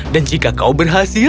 dan jika kau berhasil